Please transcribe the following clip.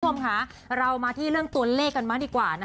คุณผู้ชมค่ะเรามาที่เรื่องตัวเลขกันบ้างดีกว่านะคะ